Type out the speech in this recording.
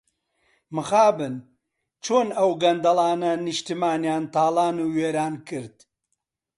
مخابن چۆن ئەو گەندەڵانە نیشتمانیان تاڵان و وێران کرد.